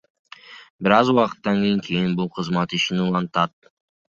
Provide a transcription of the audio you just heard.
Бир аз убакыттан кийин бул кызмат ишин улантат.